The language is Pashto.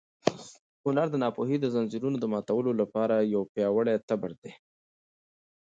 هنر د ناپوهۍ د ځنځیرونو د ماتولو لپاره یو پیاوړی تبر دی.